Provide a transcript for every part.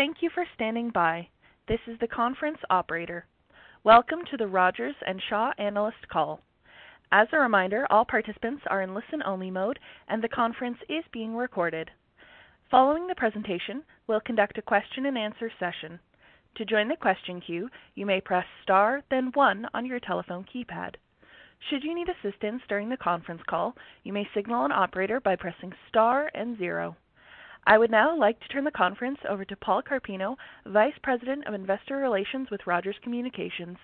Thank you for standing by. This is the conference operator. Welcome to the Rogers and Shaw analyst call. As a reminder, all participants are in listen-only mode, and the conference is being recorded. Following the presentation, we'll conduct a question-and-answer session. To join the question queue, you may press star, then one on your telephone keypad. Should you need assistance during the conference call, you may signal an operator by pressing star and zero. I would now like to turn the conference over to Paul Carpino, Vice President of Investor Relations with Rogers Communications.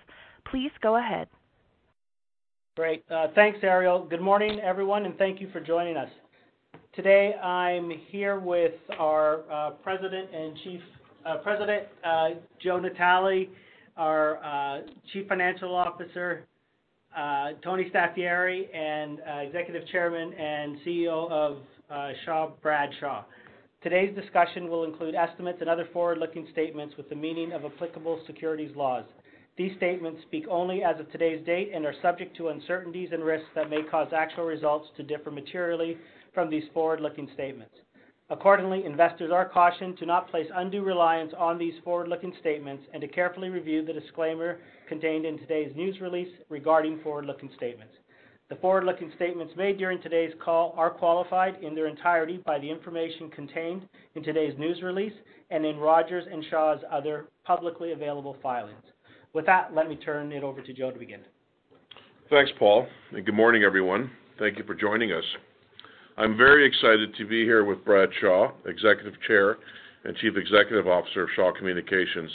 Please go ahead. Great. Thanks, Ariel. Good morning, everyone, and thank you for joining us. Today, I'm here with our President and Chief Executive Officer, Joe Natale, our Chief Financial Officer, Tony Staffieri, and Executive Chair and Chief Executive Officer of Shaw, Brad Shaw. Today's discussion will include estimates and other forward-looking statements within the meaning of applicable securities laws. These statements speak only as of today's date and are subject to uncertainties and risks that may cause actual results to differ materially from these forward-looking statements. Accordingly, investors are cautioned to not place undue reliance on these forward-looking statements and to carefully review the disclaimer contained in today's news release regarding forward-looking statements. The forward-looking statements made during today's call are qualified in their entirety by the information contained in today's news release and in Rogers and Shaw's other publicly available filings. With that, let me turn it over to Joe to begin. Thanks, Paul. And good morning, everyone. Thank you for joining us. I'm very excited to be here with Brad Shaw, Executive Chair and Chief Executive Officer of Shaw Communications,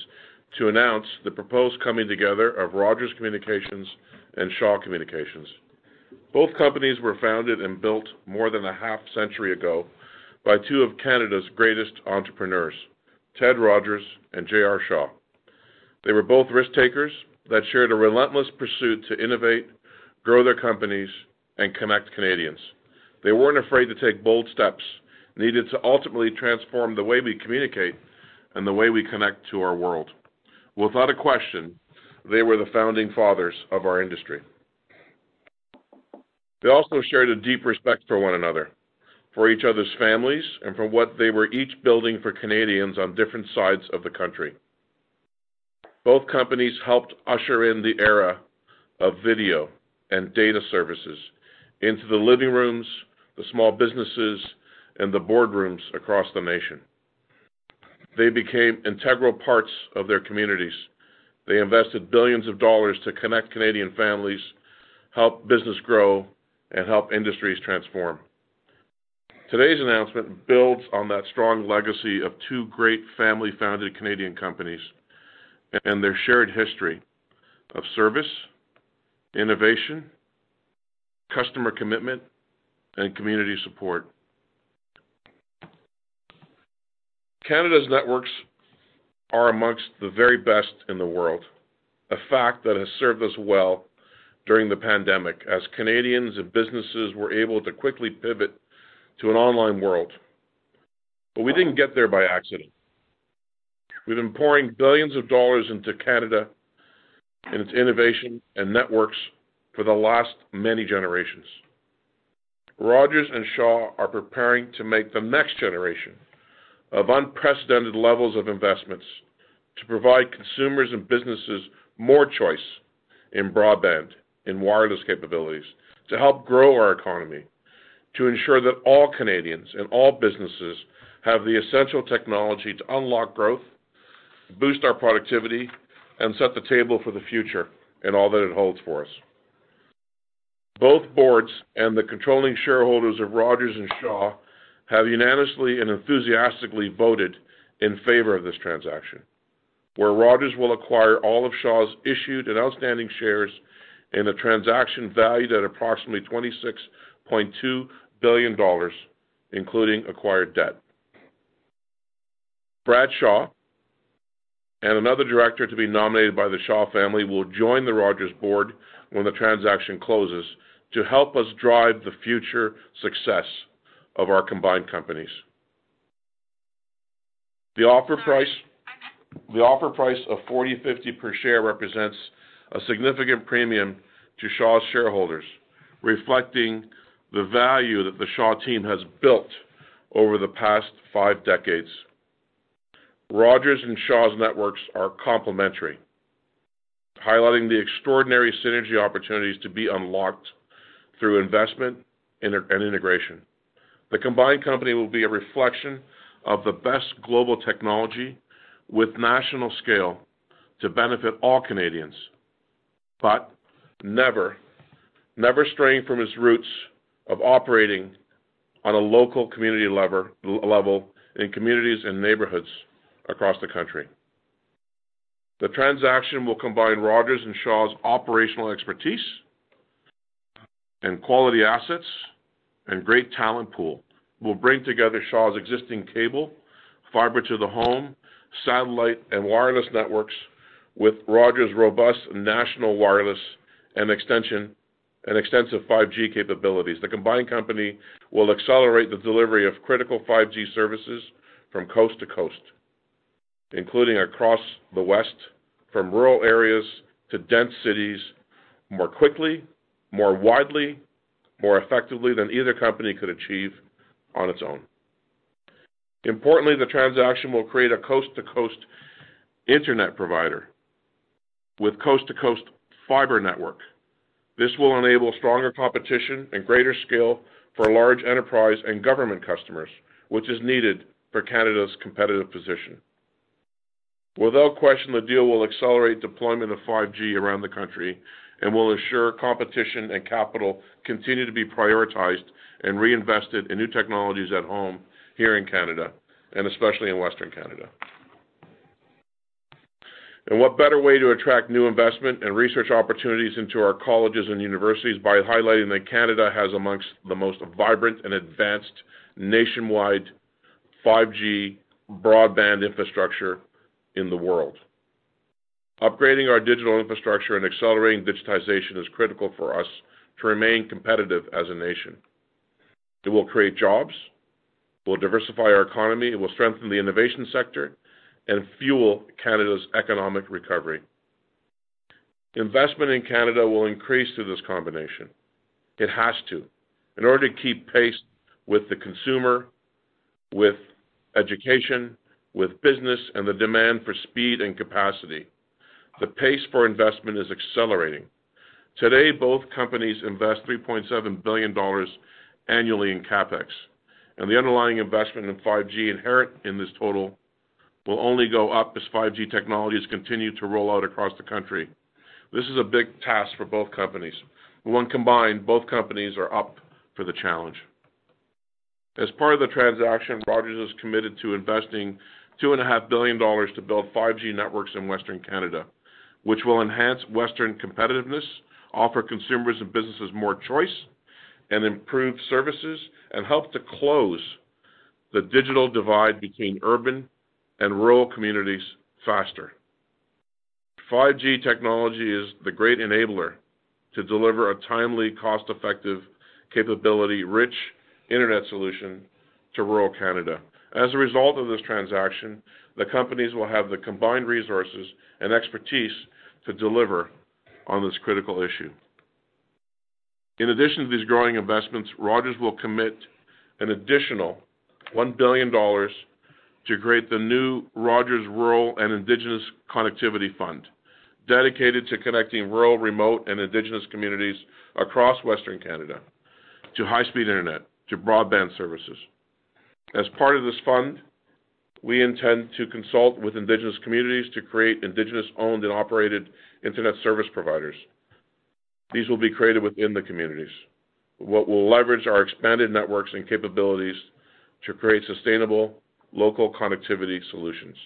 to announce the proposed coming together of Rogers Communications and Shaw Communications. Both companies were founded and built more than a half-century ago by two of Canada's greatest entrepreneurs, Ted Rogers and J.R. Shaw. They were both risk-takers that shared a relentless pursuit to innovate, grow their companies, and connect Canadians. They weren't afraid to take bold steps needed to ultimately transform the way we communicate and the way we connect to our world. Without a question, they were the founding fathers of our industry. They also shared a deep respect for one another, for each other's families, and for what they were each building for Canadians on different sides of the country. Both companies helped usher in the era of video and data services into the living rooms, the small businesses, and the boardrooms across the nation. They became integral parts of their communities. They invested billions of dollars to connect Canadian families, help business grow, and help industries transform. Today's announcement builds on that strong legacy of two great family-founded Canadian companies and their shared history of service, innovation, customer commitment, and community support. Canada's networks are among the very best in the world, a fact that has served us well during the pandemic as Canadians and businesses were able to quickly pivot to an online world. But we didn't get there by accident. We've been pouring billions of dollars into Canada and its innovation and networks for the last many generations. Rogers and Shaw are preparing to make the next generation of unprecedented levels of investments to provide consumers and businesses more choice in broadband and wireless capabilities, to help grow our economy, to ensure that all Canadians and all businesses have the essential technology to unlock growth, boost our productivity, and set the table for the future and all that it holds for us. Both boards and the controlling shareholders of Rogers and Shaw have unanimously and enthusiastically voted in favor of this transaction, where Rogers will acquire all of Shaw's issued and outstanding shares in a transaction valued at approximately 26.2 billion dollars, including acquired debt. Brad Shaw and another director to be nominated by the Shaw family will join the Rogers board when the transaction closes to help us drive the future success of our combined companies. The offer price of 40.50 per share represents a significant premium to Shaw's shareholders, reflecting the value that the Shaw team has built over the past five decades. Rogers and Shaw's networks are complementary, highlighting the extraordinary synergy opportunities to be unlocked through investment and integration. The combined company will be a reflection of the best global technology with national scale to benefit all Canadians, but never straying from its roots of operating on a local community level in communities and neighborhoods across the country. The transaction will combine Rogers and Shaw's operational expertise and quality assets and great talent pool. We'll bring together Shaw's existing cable, fibre to the home, satellite, and wireless networks with Rogers' robust national wireless and extensive 5G capabilities. The combined company will accelerate the delivery of critical 5G services from coast to coast, including across the West, from rural areas to dense cities, more quickly, more widely, more effectively than either company could achieve on its own. Importantly, the transaction will create a coast-to-coast internet provider with coast-to-coast fibre network. This will enable stronger competition and greater scale for large enterprise and government customers, which is needed for Canada's competitive position. Without question, the deal will accelerate deployment of 5G around the country and will ensure competition and capital continue to be prioritized and reinvested in new technologies at home here in Canada, and especially in Western Canada, and what better way to attract new investment and research opportunities into our colleges and universities by highlighting that Canada has amongst the most vibrant and advanced nationwide 5G broadband infrastructure in the world? Upgrading our digital infrastructure and accelerating digitization is critical for us to remain competitive as a nation. It will create jobs, will diversify our economy, will strengthen the innovation sector, and fuel Canada's economic recovery. Investment in Canada will increase through this combination. It has to. In order to keep pace with the consumer, with education, with business, and the demand for speed and capacity, the pace for investment is accelerating. Today, both companies invest 3.7 billion dollars annually in CapEx, and the underlying investment in 5G inherent in this total will only go up as 5G technologies continue to roll out across the country. This is a big task for both companies. When combined, both companies are up for the challenge. As part of the transaction, Rogers is committed to investing 2.5 billion dollars to build 5G networks in Western Canada, which will enhance Western competitiveness, offer consumers and businesses more choice, and improve services, and help to close the digital divide between urban and rural communities faster. 5G technology is the great enabler to deliver a timely, cost-effective, capability-rich internet solution to rural Canada. As a result of this transaction, the companies will have the combined resources and expertise to deliver on this critical issue. In addition to these growing investments, Rogers will commit an additional 1 billion dollars to create the new Rogers Rural and Indigenous Connectivity Fund, dedicated to connecting rural, remote, and Indigenous communities across Western Canada to high-speed internet to broadband services. As part of this fund, we intend to consult with Indigenous communities to create Indigenous-owned and operated internet service providers. These will be created within the communities, what will leverage our expanded networks and capabilities to create sustainable local connectivity solutions.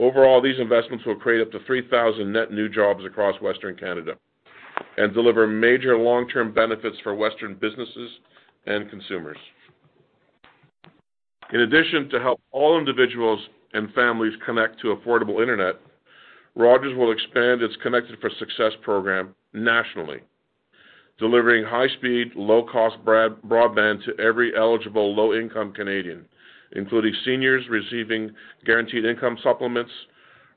Overall, these investments will create up to 3,000 net new jobs across Western Canada and deliver major long-term benefits for Western businesses and consumers. In addition to helping all individuals and families connect to affordable internet, Rogers will expand its Connected for Success program nationally, delivering high-speed, low-cost broadband to every eligible low-income Canadian, including seniors receiving Guaranteed Income Supplements,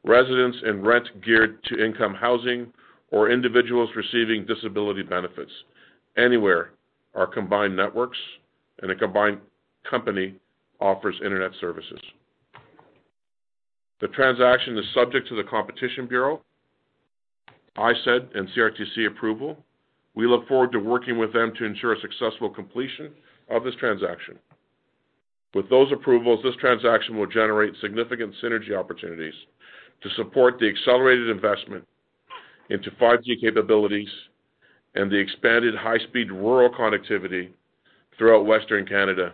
residents in rent-geared-to-income housing, or individuals receiving disability benefits. Anywhere our combined networks and a combined company offers internet services. The transaction is subject to the Competition Bureau, ISED, and CRTC approval. We look forward to working with them to ensure a successful completion of this transaction. With those approvals, this transaction will generate significant synergy opportunities to support the accelerated investment into 5G capabilities and the expanded high-speed rural connectivity throughout Western Canada.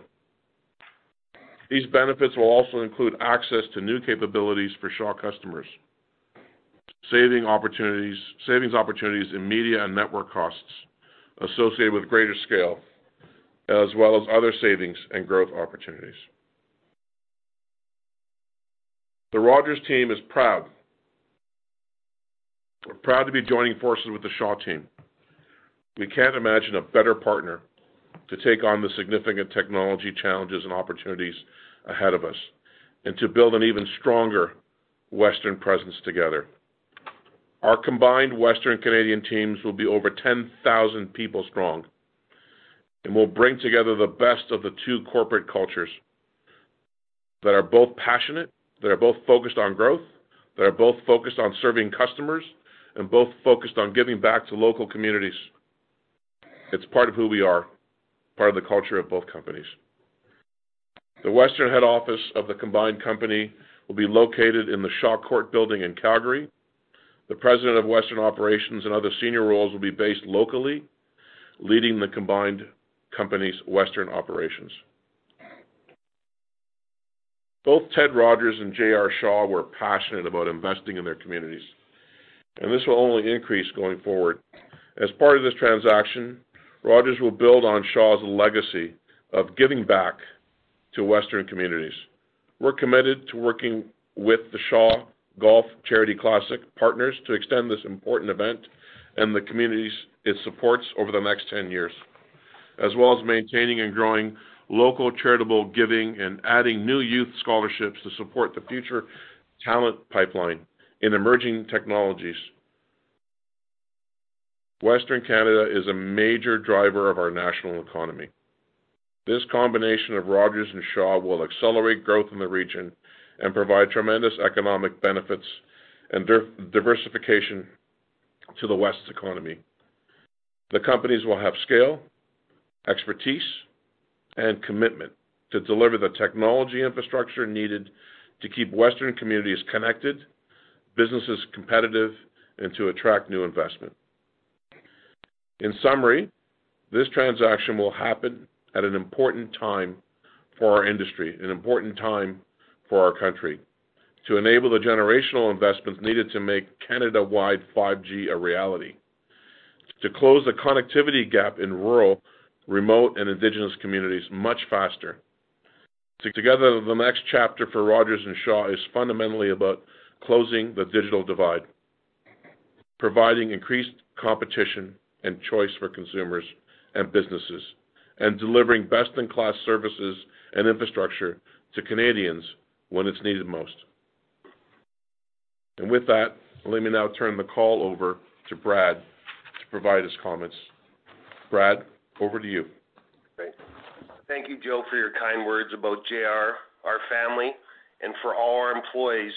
These benefits will also include access to new capabilities for Shaw customers, savings opportunities in media and network costs associated with greater scale, as well as other savings and growth opportunities. The Rogers team is proud. We're proud to be joining forces with the Shaw team. We can't imagine a better partner to take on the significant technology challenges and opportunities ahead of us and to build an even stronger Western presence together. Our combined Western Canadian teams will be over 10,000 people strong and will bring together the best of the two corporate cultures that are both passionate, that are both focused on growth, that are both focused on serving customers, and both focused on giving back to local communities. It's part of who we are, part of the culture of both companies. The Western head office of the combined company will be located in the Shaw Court building in Calgary. The President of Western Operations and other senior roles will be based locally, leading the combined company's Western operations. Both Ted Rogers and J.R. Shaw were passionate about investing in their communities, and this will only increase going forward. As part of this transaction, Rogers will build on Shaw's legacy of giving back to Western communities. We're committed to working with the Shaw Charity Classic partners to extend this important event and the communities it supports over the next 10 years, as well as maintaining and growing local charitable giving and adding new youth scholarships to support the future talent pipeline in emerging technologies. Western Canada is a major driver of our national economy. This combination of Rogers and Shaw will accelerate growth in the region and provide tremendous economic benefits and diversification to the West's economy. The companies will have scale, expertise, and commitment to deliver the technology infrastructure needed to keep Western communities connected, businesses competitive, and to attract new investment. In summary, this transaction will happen at an important time for our industry, an important time for our country, to enable the generational investments needed to make Canada-wide 5G a reality, to close the connectivity gap in rural, remote, and Indigenous communities much faster. Together, the next chapter for Rogers and Shaw is fundamentally about closing the digital divide, providing increased competition and choice for consumers and businesses, and delivering best-in-class services and infrastructure to Canadians when it's needed most. And with that, let me now turn the call over to Brad to provide his comments. Brad, over to you. Thank you, Joe, for your kind words about J.R., our family, and for all our employees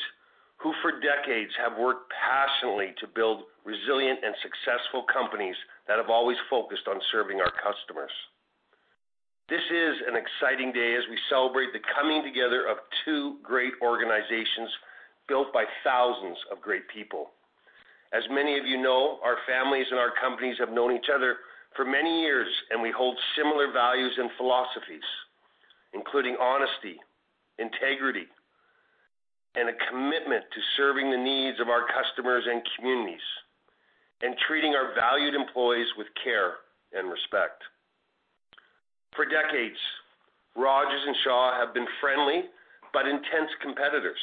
who for decades have worked passionately to build resilient and successful companies that have always focused on serving our customers. This is an exciting day as we celebrate the coming together of two great organizations built by thousands of great people. As many of you know, our families and our companies have known each other for many years, and we hold similar values and philosophies, including honesty, integrity, and a commitment to serving the needs of our customers and communities and treating our valued employees with care and respect. For decades, Rogers and Shaw have been friendly but intense competitors,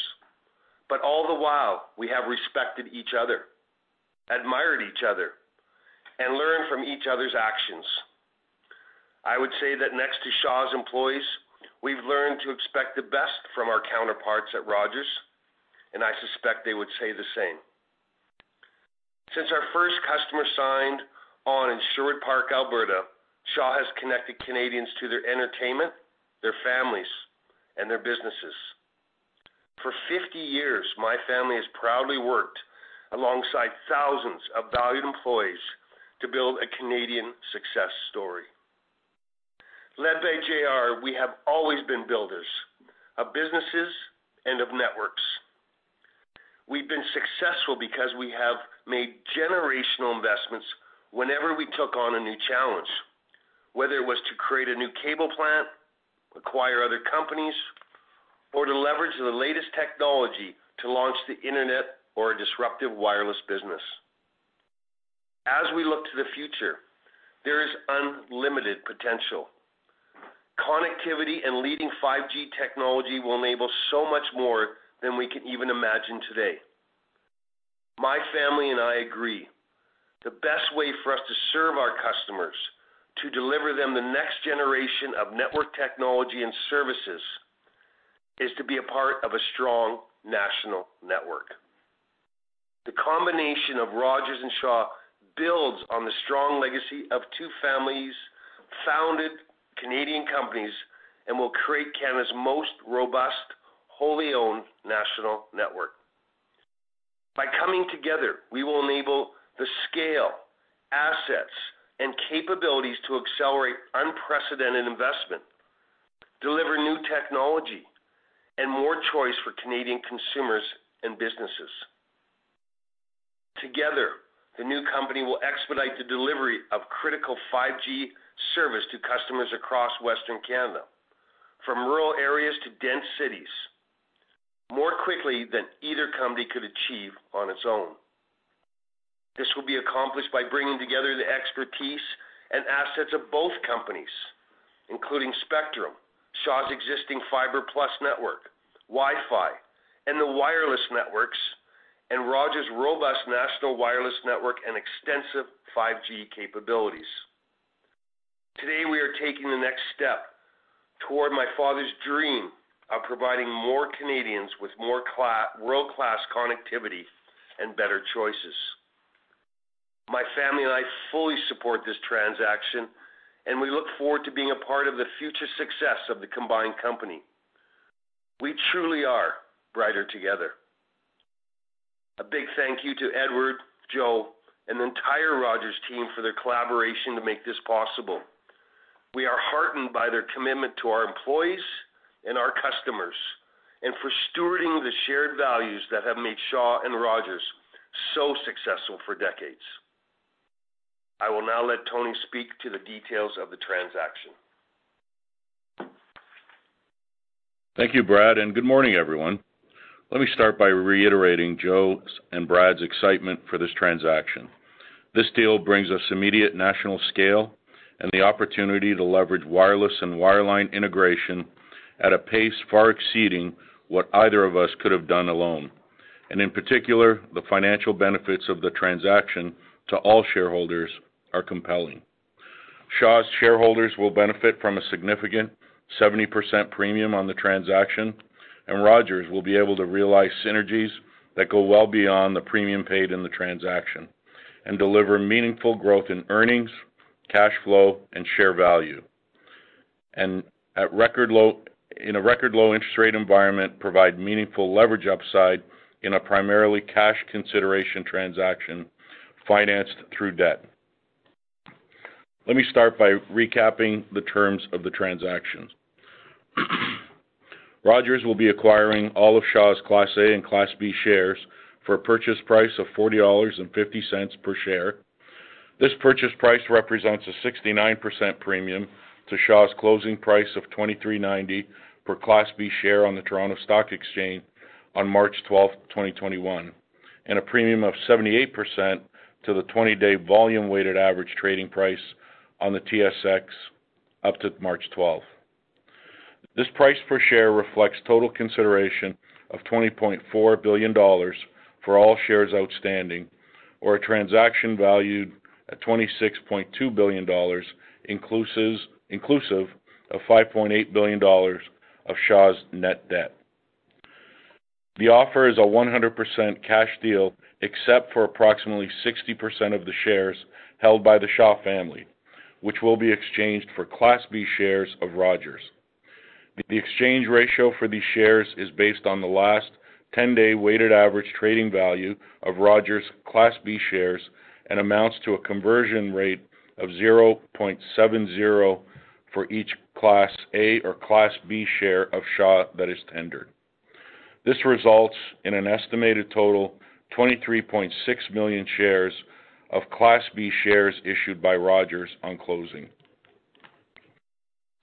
but all the while, we have respected each other, admired each other, and learned from each other's actions. I would say that next to Shaw's employees, we've learned to expect the best from our counterparts at Rogers, and I suspect they would say the same. Since our first customer signed on in Sherwood Park, Alberta, Shaw has connected Canadians to their entertainment, their families, and their businesses. For 50 years, my family has proudly worked alongside thousands of valued employees to build a Canadian success story. Led by J.R., we have always been builders of businesses and of networks. We've been successful because we have made generational investments whenever we took on a new challenge, whether it was to create a new cable plant, acquire other companies, or to leverage the latest technology to launch the internet or a disruptive wireless business. As we look to the future, there is unlimited potential. Connectivity and leading 5G technology will enable so much more than we can even imagine today. My family and I agree. The best way for us to serve our customers, to deliver them the next generation of network technology and services, is to be a part of a strong national network. The combination of Rogers and Shaw builds on the strong legacy of two families founded Canadian companies and will create Canada's most robust, wholly-owned national network. By coming together, we will enable the scale, assets, and capabilities to accelerate unprecedented investment, deliver new technology, and more choice for Canadian consumers and businesses. Together, the new company will expedite the delivery of critical 5G service to customers across Western Canada, from rural areas to dense cities, more quickly than either company could achieve on its own. This will be accomplished by bringing together the expertise and assets of both companies, including spectrum, Shaw's existing Fibre+ network, Wi-Fi, and the wireless networks, and Rogers' robust national wireless network and extensive 5G capabilities. Today, we are taking the next step toward my father's dream of providing more Canadians with more world-class connectivity and better choices. My family and I fully support this transaction, and we look forward to being a part of the future success of the combined company. We truly are brighter together. A big thank you to Edward, Joe, and the entire Rogers team for their collaboration to make this possible. We are heartened by their commitment to our employees and our customers and for stewarding the shared values that have made Shaw and Rogers so successful for decades. I will now let Tony speak to the details of the transaction. Thank you, Brad, and good morning, everyone. Let me start by reiterating Joe's and Brad's excitement for this transaction. This deal brings us immediate national scale and the opportunity to leverage wireless and wireline integration at a pace far exceeding what either of us could have done alone. And in particular, the financial benefits of the transaction to all shareholders are compelling. Shaw's shareholders will benefit from a significant 70% premium on the transaction, and Rogers will be able to realize synergies that go well beyond the premium paid in the transaction and deliver meaningful growth in earnings, cash flow, and share value, and in a record low interest rate environment, provide meaningful leverage upside in a primarily cash consideration transaction financed through debt. Let me start by recapping the terms of the transaction. Rogers will be acquiring all of Shaw's Class A and Class B shares for a purchase price of 40.50 dollars per share. This purchase price represents a 69% premium to Shaw's closing price of 23.90 per Class B share on the Toronto Stock Exchange on March 12, 2021, and a premium of 78% to the 20-day volume-weighted average trading price on the TSX up to March 12. This price per share reflects total consideration of 20.4 billion dollars for all shares outstanding, or a transaction valued at 26.2 billion dollars, inclusive of 5.8 billion dollars of Shaw's net debt. The offer is a 100% cash deal except for approximately 60% of the shares held by the Shaw family, which will be exchanged for Class B shares of Rogers. The exchange ratio for these shares is based on the last 10-day weighted average trading value of Rogers' Class B shares and amounts to a conversion rate of 0.70 for each Class A or Class B share of Shaw that is tendered. This results in an estimated total of 23.6 million shares of Class B shares issued by Rogers on closing.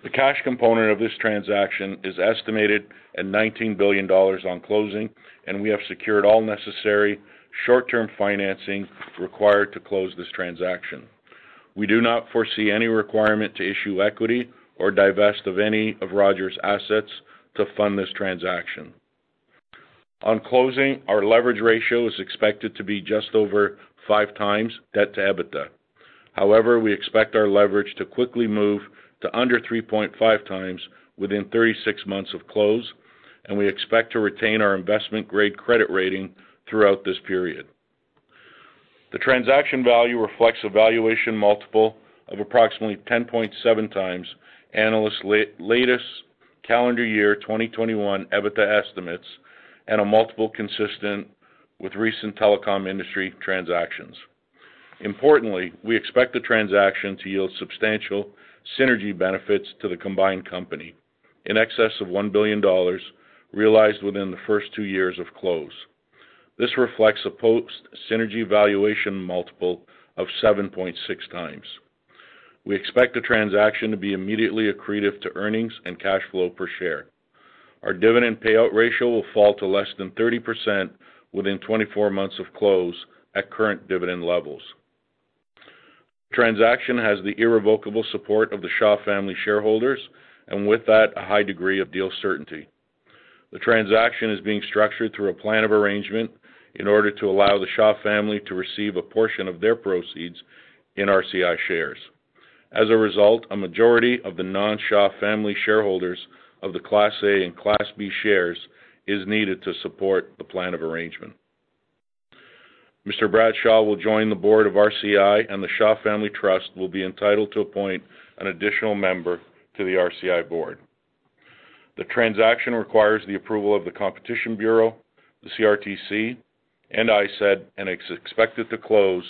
The cash component of this transaction is estimated at 19 billion dollars on closing, and we have secured all necessary short-term financing required to close this transaction. We do not foresee any requirement to issue equity or divest of any of Rogers' assets to fund this transaction. On closing, our leverage ratio is expected to be just over five times debt to EBITDA. However, we expect our leverage to quickly move to under 3.5 times within 36 months of close, and we expect to retain our investment-grade credit rating throughout this period. The transaction value reflects a valuation multiple of approximately 10.7 times analysts' latest calendar year 2021 EBITDA estimates and a multiple consistent with recent telecom industry transactions. Importantly, we expect the transaction to yield substantial synergy benefits to the combined company in excess of 1 billion dollars realized within the first two years of close. This reflects a post-synergy valuation multiple of 7.6 times. We expect the transaction to be immediately accretive to earnings and cash flow per share. Our dividend payout ratio will fall to less than 30% within 24 months of close at current dividend levels. The transaction has the irrevocable support of the Shaw family shareholders and, with that, a high degree of deal certainty. The transaction is being structured through a plan of arrangement in order to allow the Shaw family to receive a portion of their proceeds in RCI shares. As a result, a majority of the non-Shaw family shareholders of the Class A and Class B shares is needed to support the plan of arrangement. Mr. Brad Shaw will join the board of RCI, and the Shaw Family Trust will be entitled to appoint an additional member to the RCI board. The transaction requires the approval of the Competition Bureau, the CRTC, and ISED, and is expected to close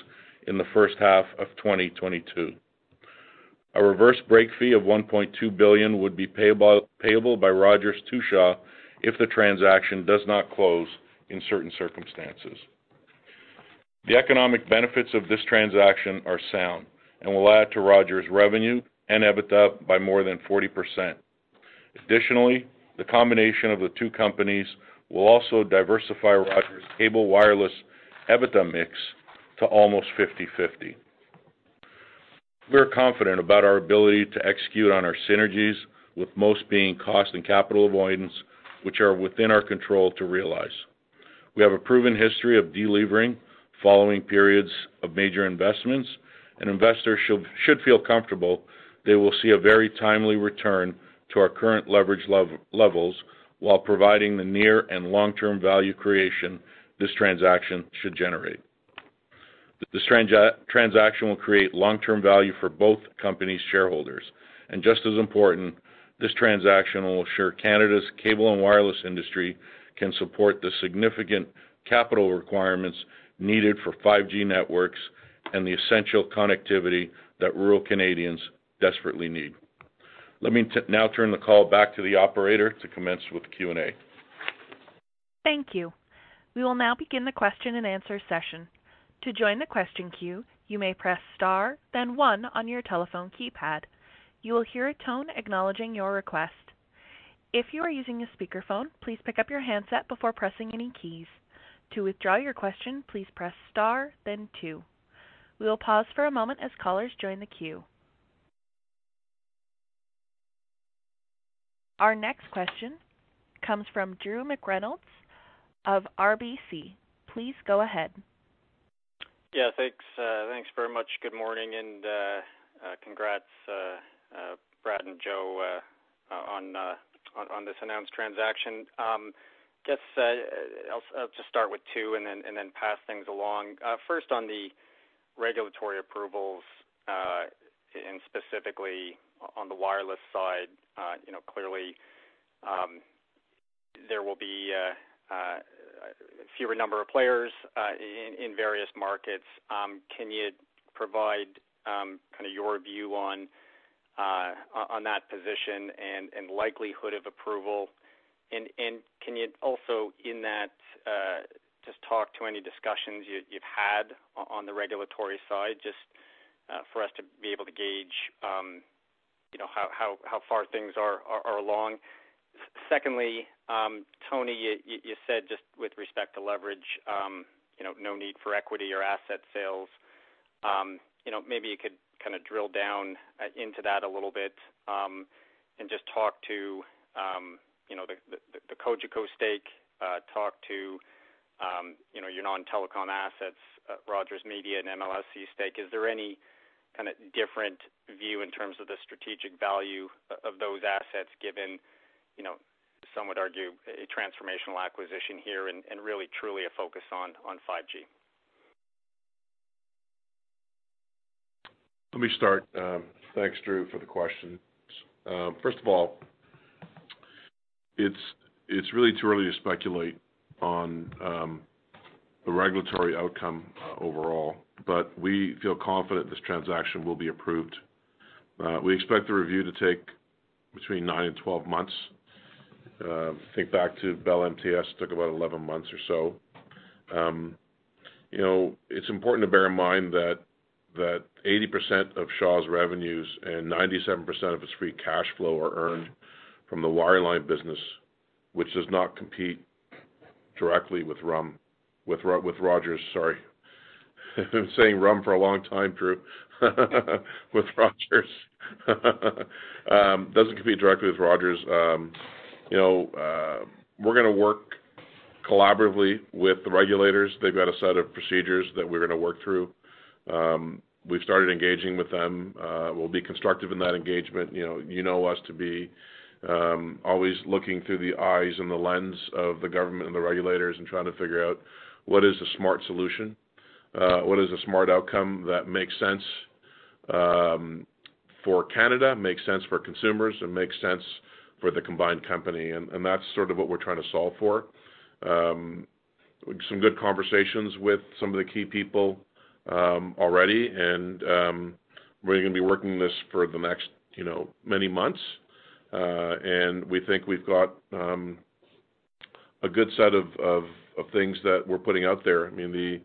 in the first half of 2022. A reverse break fee of 1.2 billion would be payable by Rogers to Shaw if the transaction does not close in certain circumstances. The economic benefits of this transaction are sound and will add to Rogers' revenue and EBITDA by more than 40%. Additionally, the combination of the two companies will also diversify Rogers' cable wireless EBITDA mix to almost 50/50. We are confident about our ability to execute on our synergies, with most being cost and capital avoidance, which are within our control to realize. We have a proven history of delivering following periods of major investments, and investors should feel comfortable they will see a very timely return to our current leverage levels while providing the near and long-term value creation this transaction should generate. This transaction will create long-term value for both companies' shareholders, and just as important, this transaction will assure Canada's cable and wireless industry can support the significant capital requirements needed for 5G networks and the essential connectivity that rural Canadians desperately need. Let me now turn the call back to the operator to commence with Q&A. Thank you. We will now begin the question and answer session. To join the question queue, you may press star, then one on your telephone keypad. You will hear a tone acknowledging your request. If you are using a speakerphone, please pick up your handset before pressing any keys. To withdraw your question, please press star, then two. We will pause for a moment as callers join the queue. Our next question comes from Drew McReynolds of RBC. Please go ahead. Yeah, thanks. Thanks very much. Good morning and congrats, Brad and Joe, on this announced transaction. I guess I'll just start with two and then pass things along. First, on the regulatory approvals and specifically on the wireless side, clearly there will be a fewer number of players in various markets. Can you provide kind of your view on that position and likelihood of approval? And can you also, in that, just talk to any discussions you've had on the regulatory side just for us to be able to gauge how far things are along? Secondly, Tony, you said just with respect to leverage, no need for equity or asset sales. Maybe you could kind of drill down into that a little bit and just talk to the Cogeco stake, talk to your non-telecom assets, Rogers Media and MLSE stake. Is there any kind of different view in terms of the strategic value of those assets given, some would argue, a transformational acquisition here and really, truly a focus on 5G? Let me start. Thanks, Drew, for the question. First of all, it's really too early to speculate on the regulatory outcome overall, but we feel confident this transaction will be approved. We expect the review to take between nine and 12 months. Think back to Bell MTS. It took about 11 months or so. It's important to bear in mind that 80% of Shaw's revenues and 97% of its free cash flow are earned from the wireline business, which does not compete directly with Rogers. Sorry. I've been saying it wrong for a long time, Drew, with Rogers. Doesn't compete directly with Rogers. We're going to work collaboratively with the regulators. They've got a set of procedures that we're going to work through. We've started engaging with them. We'll be constructive in that engagement. You know us to be always looking through the eyes and the lens of the government and the regulators and trying to figure out what is a smart solution, what is a smart outcome that makes sense for Canada, makes sense for consumers, and makes sense for the combined company. And that's sort of what we're trying to solve for. Some good conversations with some of the key people already, and we're going to be working this for the next many months. And we think we've got a good set of things that we're putting out there. I mean,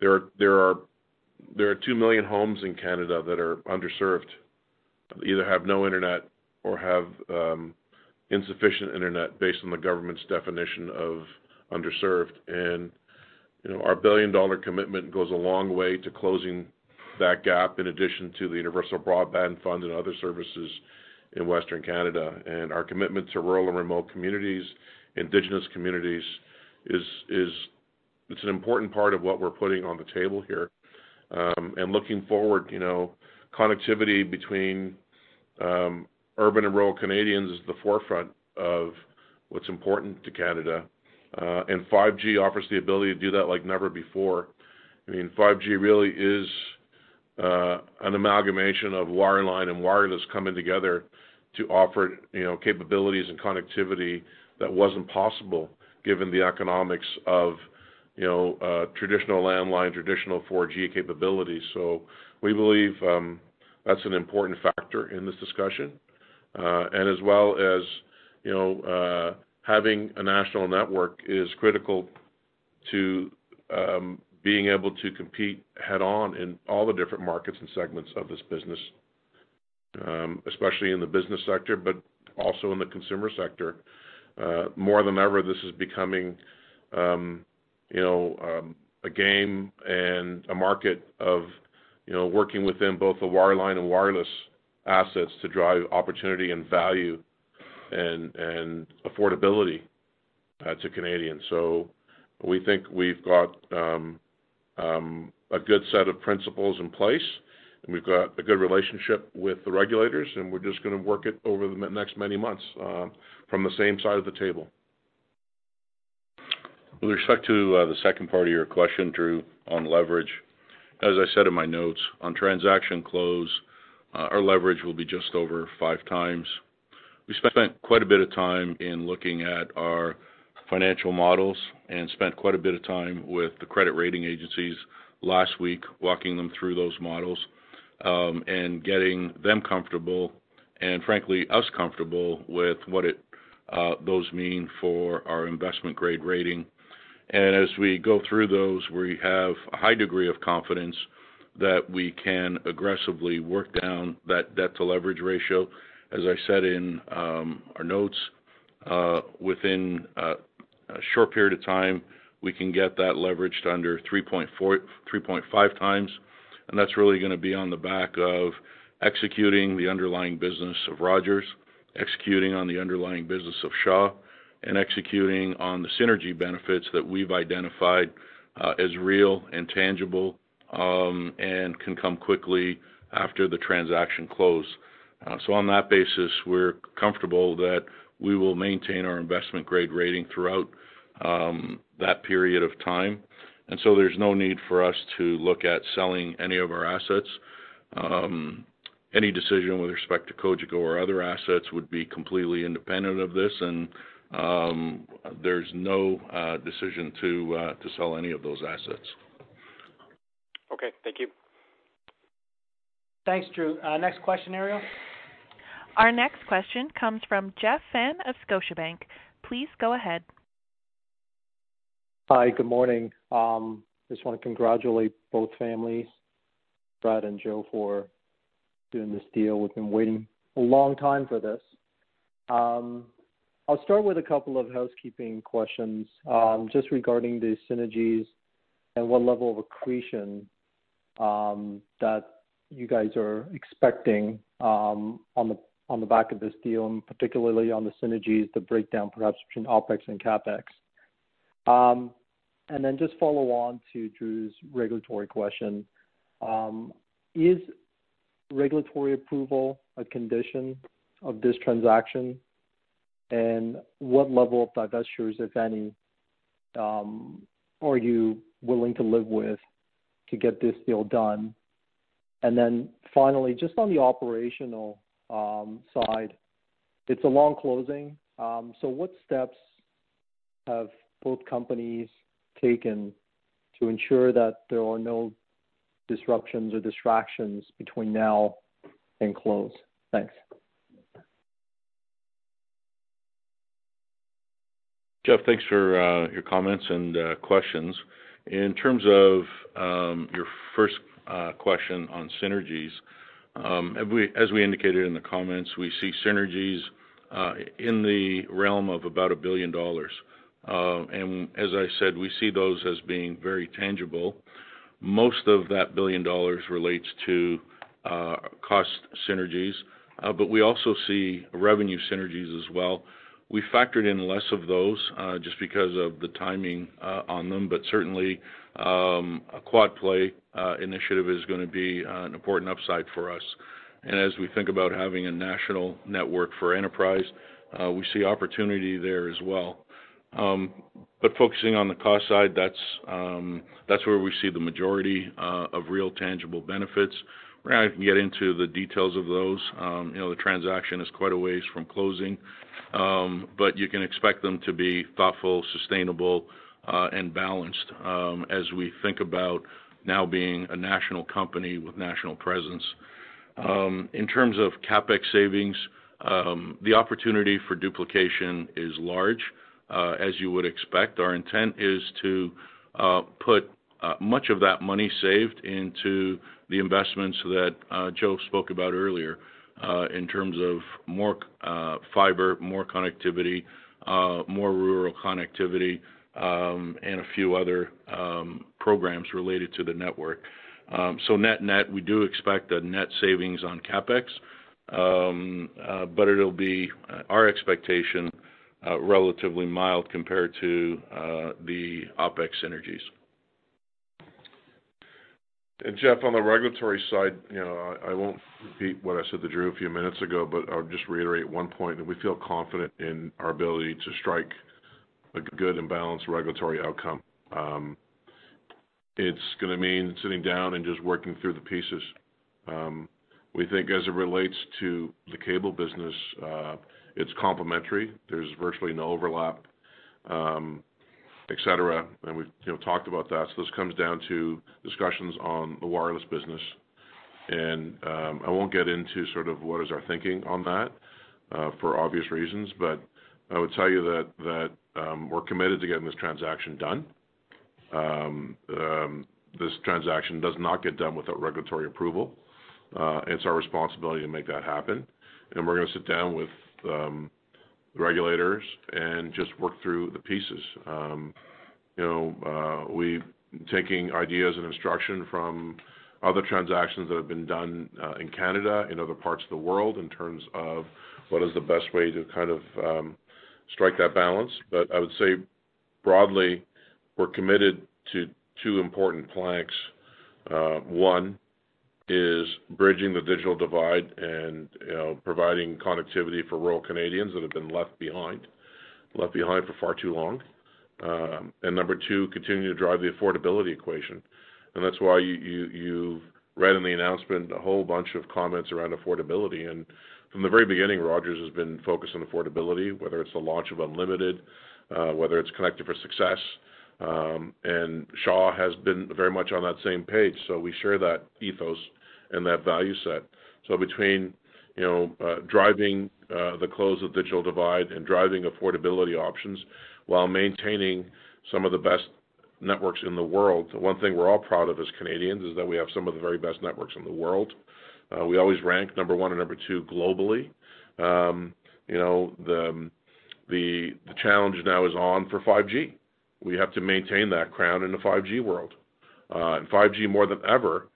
there are two million homes in Canada that are underserved, either have no internet or have insufficient internet based on the government's definition of underserved. And our billion-dollar commitment goes a long way to closing that gap in addition to the Universal Broadband Fund and other services in Western Canada. Our commitment to rural and remote communities, Indigenous communities, it's an important part of what we're putting on the table here. Looking forward, connectivity between urban and rural Canadians is the forefront of what's important to Canada. 5G offers the ability to do that like never before. I mean, 5G really is an amalgamation of wireline and wireless coming together to offer capabilities and connectivity that wasn't possible given the economics of traditional landline, traditional 4G capabilities. So we believe that's an important factor in this discussion. As well as having a national network is critical to being able to compete head-on in all the different markets and segments of this business, especially in the business sector, but also in the consumer sector. More than ever, this is becoming a game and a market of working within both the wireline and wireless assets to drive opportunity and value and affordability to Canadians, so we think we've got a good set of principles in place, and we've got a good relationship with the regulators, and we're just going to work it over the next many months from the same side of the table. With respect to the second part of your question, Drew, on leverage, as I said in my notes, on transaction close, our leverage will be just over five times. We spent quite a bit of time in looking at our financial models and spent quite a bit of time with the credit rating agencies last week walking them through those models and getting them comfortable and, frankly, us comfortable with what those mean for our investment-grade rating. And as we go through those, we have a high degree of confidence that we can aggressively work down that debt-to-leverage ratio. As I said in our notes, within a short period of time, we can get that leveraged under 3.5 times. And that's really going to be on the back of executing the underlying business of Rogers, executing on the underlying business of Shaw, and executing on the synergy benefits that we've identified as real and tangible and can come quickly after the transaction close. So on that basis, we're comfortable that we will maintain our investment-grade rating throughout that period of time. And so there's no need for us to look at selling any of our assets. Any decision with respect to Cogeco or other assets would be completely independent of this, and there's no decision to sell any of those assets. Okay. Thank you. Thanks, Drew. Next question, Ariel. Our next question comes from Jeff Fan of Scotiabank. Please go ahead. Hi. Good morning. I just want to congratulate both families, Brad and Joe, for doing this deal. We've been waiting a long time for this. I'll start with a couple of housekeeping questions just regarding the synergies and what level of accretion that you guys are expecting on the back of this deal, and particularly on the synergies, the breakdown perhaps between OpEx and CapEx. And then just follow on to Drew's regulatory question. Is regulatory approval a condition of this transaction? And what level of divestitures, if any, are you willing to live with to get this deal done? And then finally, just on the operational side, it's a long closing. So what steps have both companies taken to ensure that there are no disruptions or distractions between now and close? Thanks. Jeff, thanks for your comments and questions. In terms of your first question on synergies, as we indicated in the comments, we see synergies in the realm of about 1 billion dollars. And as I said, we see those as being very tangible. Most of that 1 billion dollars relates to cost synergies, but we also see revenue synergies as well. We factored in less of those just because of the timing on them, but certainly, a quad-play initiative is going to be an important upside for us, and as we think about having a national network for enterprise, we see opportunity there as well, but focusing on the cost side, that's where we see the majority of real tangible benefits. We're not going to get into the details of those. The transaction is quite a ways from closing, but you can expect them to be thoughtful, sustainable, and balanced as we think about now being a national company with national presence. In terms of CapEx savings, the opportunity for duplication is large, as you would expect. Our intent is to put much of that money saved into the investments that Joe spoke about earlier in terms of more fibre, more connectivity, more rural connectivity, and a few other programs related to the network, so net-net, we do expect a net savings on CapEx, but it'll be our expectation relatively mild compared to the OpEx synergies, and Jeff, on the regulatory side, I won't repeat what I said to Drew a few minutes ago, but I'll just reiterate one point. We feel confident in our ability to strike a good and balanced regulatory outcome. It's going to mean sitting down and just working through the pieces. We think as it relates to the cable business, it's complementary. There's virtually no overlap, etc. And we've talked about that. So this comes down to discussions on the wireless business. And I won't get into sort of what is our thinking on that for obvious reasons, but I would tell you that we're committed to getting this transaction done. This transaction does not get done without regulatory approval. It's our responsibility to make that happen. And we're going to sit down with the regulators and just work through the pieces. We're taking ideas and instruction from other transactions that have been done in Canada and other parts of the world in terms of what is the best way to kind of strike that balance. But I would say broadly, we're committed to two important planks. One is bridging the digital divide and providing connectivity for rural Canadians that have been left behind, left behind for far too long. Number two, continuing to drive the affordability equation. That's why you've read in the announcement a whole bunch of comments around affordability. From the very beginning, Rogers has been focused on affordability, whether it's the launch of unlimited, whether it's connected for success. Shaw has been very much on that same page. We share that ethos and that value set. Between driving the closing of the digital divide and driving affordability options while maintaining some of the best networks in the world, the one thing we're all proud of as Canadians is that we have some of the very best networks in the world. We always rank number one and number two globally. The challenge now is on for 5G. We have to maintain that crown in the 5G world, and 5G, more than ever,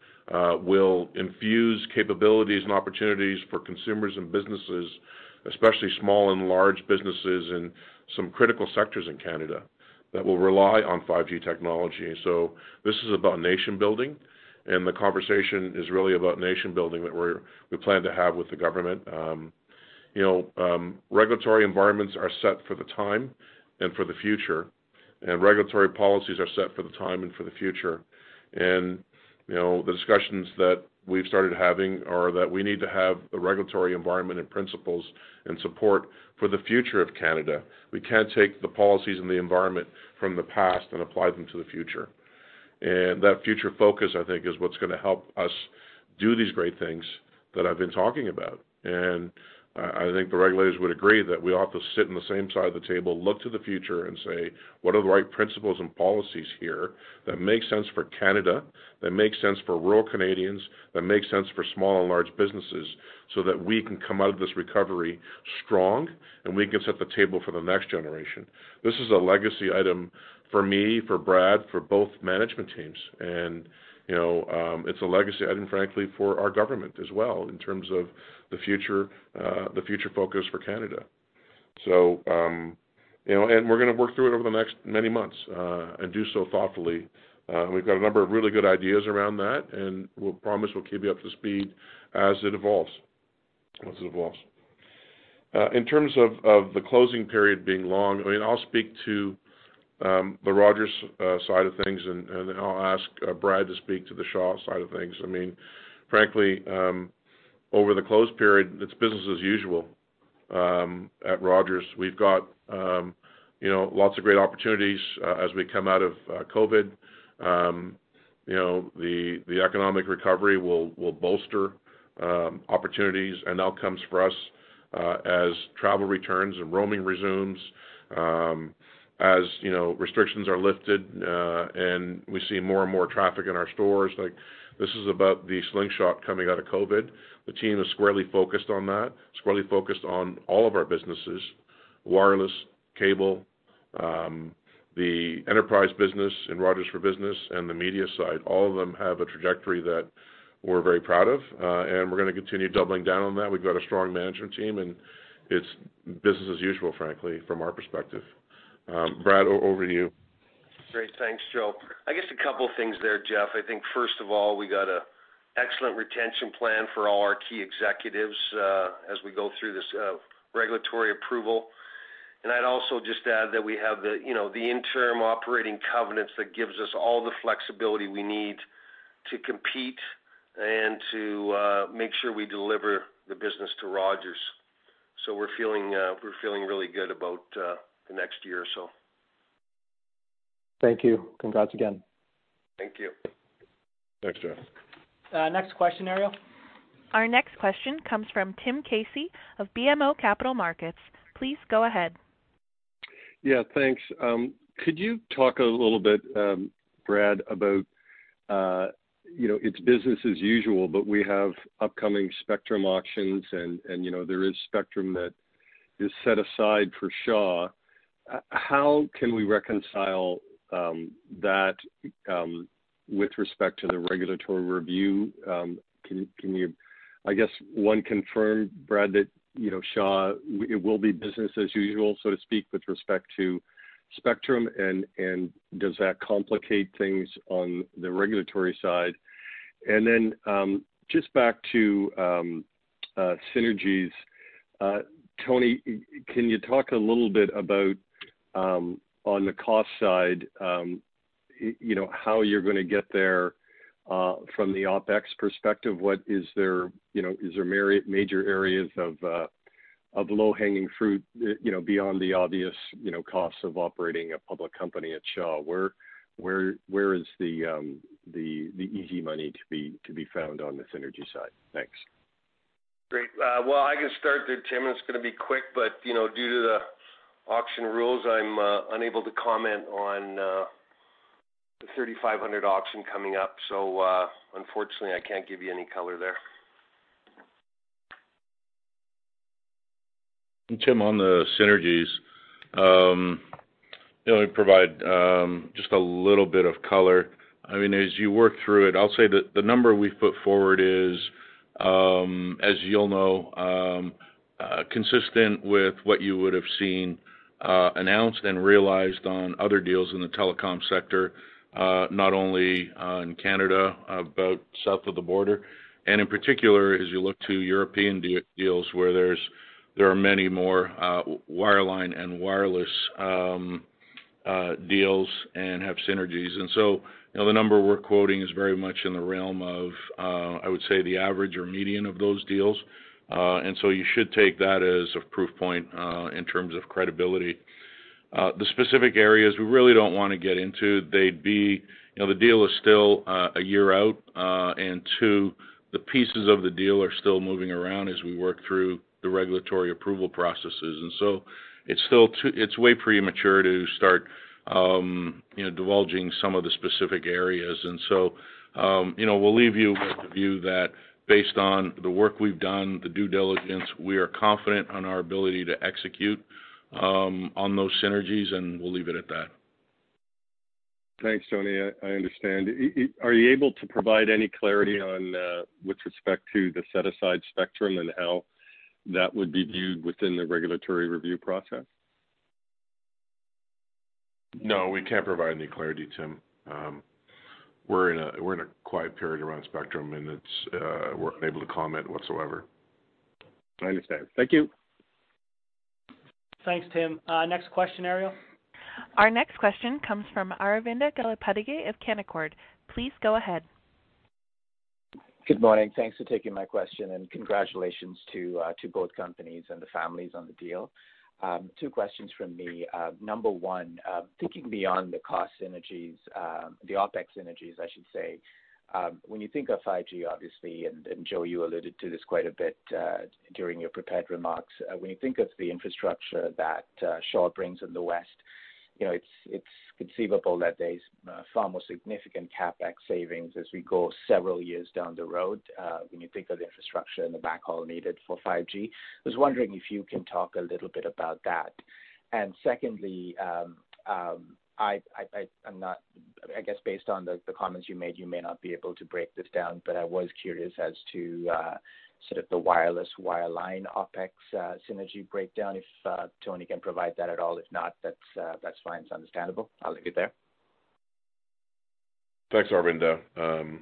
will infuse capabilities and opportunities for consumers and businesses, especially small and large businesses in some critical sectors in Canada that will rely on 5G technology. This is about nation-building, and the conversation is really about nation-building that we plan to have with the government. Regulatory environments are set for the time and for the future, and regulatory policies are set for the time and for the future, and the discussions that we've started having are that we need to have a regulatory environment and principles and support for the future of Canada. We can't take the policies and the environment from the past and apply them to the future, and that future focus, I think, is what's going to help us do these great things that I've been talking about. And I think the regulators would agree that we ought to sit on the same side of the table, look to the future, and say, "What are the right principles and policies here that make sense for Canada, that make sense for rural Canadians, that make sense for small and large businesses so that we can come out of this recovery strong and we can set the table for the next generation?" This is a legacy item for me, for Brad, for both management teams. And it's a legacy item, frankly, for our government as well in terms of the future focus for Canada. And we're going to work through it over the next many months and do so thoughtfully. We've got a number of really good ideas around that, and we'll promise we'll keep you up to speed as it evolves. In terms of the closing period being long, I mean, I'll speak to the Rogers side of things, and then I'll ask Brad to speak to the Shaw side of things. I mean, frankly, over the closed period, it's business as usual at Rogers. We've got lots of great opportunities as we come out of COVID. The economic recovery will bolster opportunities and outcomes for us as travel returns and roaming resumes, as restrictions are lifted, and we see more and more traffic in our stores. This is about the slingshot coming out of COVID. The team is squarely focused on that, squarely focused on all of our businesses: wireless, cable, the enterprise business and Rogers for Business, and the media side. All of them have a trajectory that we're very proud of, and we're going to continue doubling down on that. We've got a strong management team, and it's business as usual, frankly, from our perspective. Brad, over to you. Great. Thanks, Joe. I guess a couple of things there, Jeff. I think, first of all, we got an excellent retention plan for all our key executives as we go through this regulatory approval. And I'd also just add that we have the interim operating covenants that gives us all the flexibility we need to compete and to make sure we deliver the business to Rogers. So we're feeling really good about the next year or so. Thank you. Congrats again. Thank you. Thanks, Jeff. Next question, Ariel. Our next question comes from Tim Casey of BMO Capital Markets. Please go ahead. Yeah. Thanks. Could you talk a little bit, Brad, about it's business as usual, but we have upcoming spectrum auctions, and there is spectrum that is set aside for Shaw. How can we reconcile that with respect to the regulatory review? Can you, I guess, one, confirm, Brad, that Shaw, it will be business as usual, so to speak, with respect to spectrum, and does that complicate things on the regulatory side? And then just back to synergies, Tony, can you talk a little bit about, on the cost side, how you're going to get there from the OpEx perspective? Is there major areas of low-hanging fruit beyond the obvious costs of operating a public company at Shaw? Where is the easy money to be found on the synergy side? Thanks. Great. Well, I can start there, Tim. It's going to be quick, but due to the auction rules, I'm unable to comment on the 3500 auction coming up. So unfortunately, I can't give you any color there. And Tim, on the synergies, let me provide just a little bit of color. I mean, as you work through it, I'll say that the number we put forward is, as you'll know, consistent with what you would have seen announced and realized on other deals in the telecom sector, not only in Canada, but south of the border. And in particular, as you look to European deals where there are many more wireline and wireless deals and have synergies. And so the number we're quoting is very much in the realm of, I would say, the average or median of those deals. And so you should take that as a proof point in terms of credibility. The specific areas we really don't want to get into, they'd be the deal is still a year out, and two, the pieces of the deal are still moving around as we work through the regulatory approval processes. And so it's way premature to start divulging some of the specific areas. And so we'll leave you with the view that based on the work we've done, the due diligence, we are confident on our ability to execute on those synergies, and we'll leave it at that. Thanks, Tony. I understand. Are you able to provide any clarity with respect to the set-aside spectrum and how that would be viewed within the regulatory review process? No, we can't provide any clarity, Tim. We're in a quiet period around spectrum, and we're unable to comment whatsoever. I understand. Thank you. Thanks, Tim. Next question, Ariel. Our next question comes from Aravinda Galappatthige of Canaccord. Please go ahead. Good morning. Thanks for taking my question, and congratulations to both companies and the families on the deal. Two questions from me. Number one, thinking beyond the cost synergies, the OpEx synergies, I should say, when you think of 5G, obviously, and Joe, you alluded to this quite a bit during your prepared remarks. When you think of the infrastructure that Shaw brings in the West, it's conceivable that there's far more significant CapEx savings as we go several years down the road when you think of the infrastructure and the backhaul needed for 5G. I was wondering if you can talk a little bit about that. And secondly, I guess based on the comments you made, you may not be able to break this down, but I was curious as to sort of the wireless, wireline, OpEx synergy breakdown, if Tony can provide that at all. If not, that's fine. It's understandable. I'll leave it there. Thanks, Aravinda. I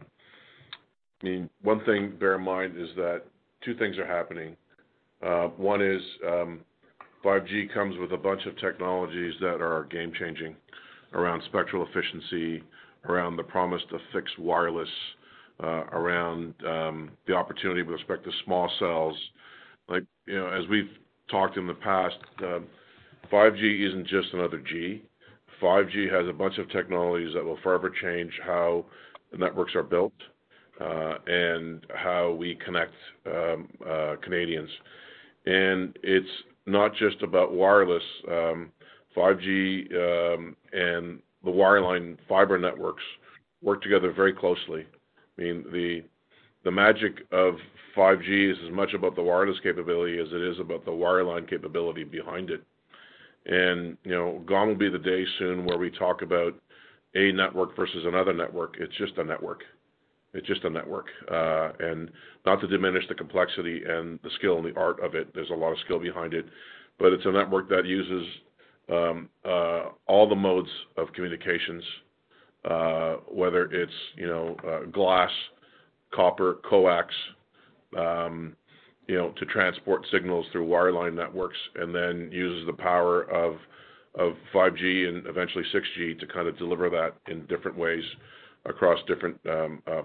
mean, one thing to bear in mind is that two things are happening. One is 5G comes with a bunch of technologies that are game-changing around spectral efficiency, around the promise to fixed wireless, around the opportunity with respect to small cells. As we've talked in the past, 5G isn't just another G. 5G has a bunch of technologies that will forever change how the networks are built and how we connect Canadians. And it's not just about wireless. 5G and the wireline fibre networks work together very closely. I mean, the magic of 5G is as much about the wireless capability as it is about the wireline capability behind it. And gone will be the day soon where we talk about a network versus another network. It's just a network. It's just a network. And not to diminish the complexity and the skill and the art of it. There's a lot of skill behind it. But it's a network that uses all the modes of communications, whether it's glass, copper, coax to transport signals through wireline networks, and then uses the power of 5G and eventually 6G to kind of deliver that in different ways across different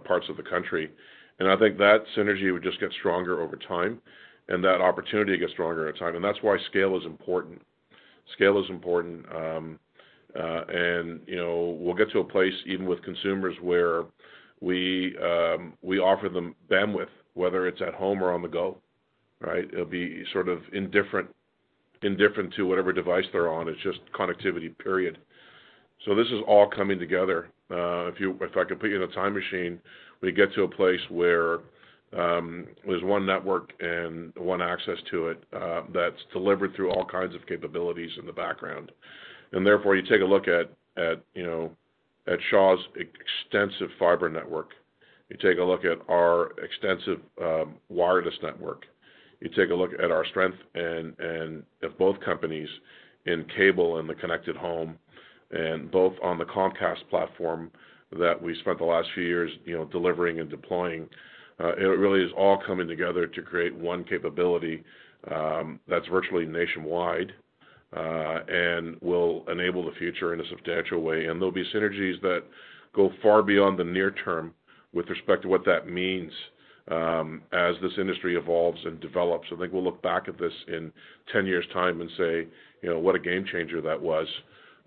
parts of the country. And I think that synergy would just get stronger over time, and that opportunity gets stronger over time. And that's why scale is important. Scale is important. And we'll get to a place, even with consumers, where we offer them bandwidth, whether it's at home or on the go, right? It'll be sort of indifferent to whatever device they're on. It's just connectivity, period. So this is all coming together. If I could put you in a time machine, we'd get to a place where there's one network and one access to it that's delivered through all kinds of capabilities in the background. And therefore, you take a look at Shaw's extensive fibre network. You take a look at our extensive wireless network. You take a look at our strength and of both companies in cable and the connected home and both on the Comcast platform that we spent the last few years delivering and deploying. It really is all coming together to create one capability that's virtually nationwide and will enable the future in a substantial way. And there'll be synergies that go far beyond the near term with respect to what that means as this industry evolves and develops. I think we'll look back at this in 10 years' time and say, "What a game changer that was